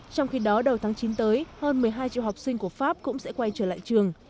trong khi đó đầu tháng chín tới hơn một mươi hai triệu học sinh của pháp cũng sẽ quay trở lại trường